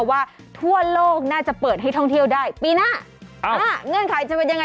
สวัสดีคุณชิสานะฮะสวัสดีคุณชิสานะฮะ